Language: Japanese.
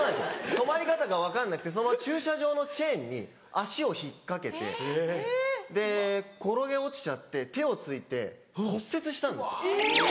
止まり方が分かんなくてそのまま駐車場のチェーンに足を引っ掛けて転げ落ちちゃって手を突いて骨折したんですよ。